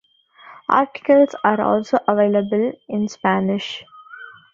Articles are also available in Spanish.